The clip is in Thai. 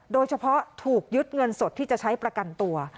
โดยเฉพาะถูกยึดเงินสดที่จะใช้ประกันตัว